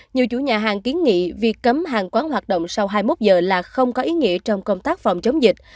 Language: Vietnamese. nhiều chủ nhà hàng kiến nghị việc cấm hàng quán hoạt động sau hai mươi một giờ là không có ý nghĩa trong công tác phòng chống dịch